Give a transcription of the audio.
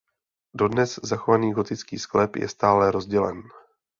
Dodnes zachovaný gotický sklep je stále rozdělen.